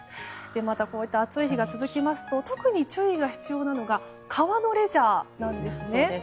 また、こうやって暑い日が続きますと特に注意が必要なのが川のレジャーなんです。